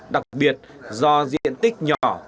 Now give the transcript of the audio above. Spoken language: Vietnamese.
đặc biệt do diện tích nhỏ